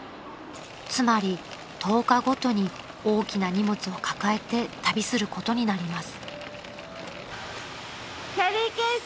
［つまり１０日ごとに大きな荷物を抱えて旅することになります］